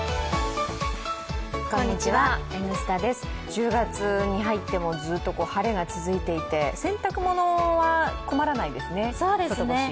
１０月に入っても、ずっと晴れが続いていて洗濯物は困らないですね、外干し。